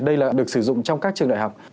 đây là được sử dụng trong các trường đại học